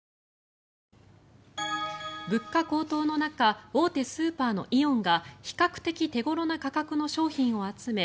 物価高騰の中大手スーパーのイオンが比較的手ごろな価格の商品を集め